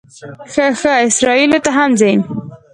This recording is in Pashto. ښه ښه، اسرائیلو ته هم ځې.